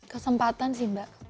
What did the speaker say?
kesempatan sih mbak